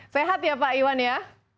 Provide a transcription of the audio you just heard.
sehat ya pak iwan ya